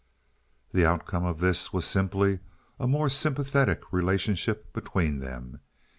The outcome of this was simply a more sympathetic relationship between them.